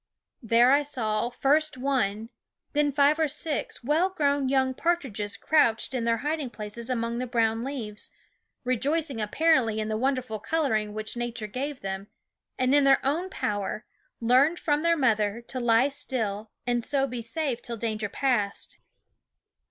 There I saw, first one, then five or six THE WOODS well grown young partridges crouched in their hiding places among the brown leaves, rejoicing apparently in the wonderful color ing which Nature gave them, and in their own power, learned from their mother, to lie .^^^^ still and so be safe till danger passed.